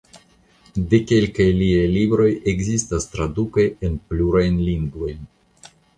De kelkaj liaj libroj ekzistas tradukoj en plurajn lingvojn.